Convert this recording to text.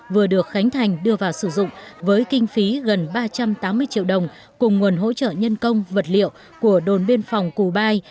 vừa được khánh thành đưa vào sử dụng với kinh phí gần ba trăm tám mươi triệu đồng cùng nguồn hỗ trợ nhân công vật liệu của đồn biên phòng cù bai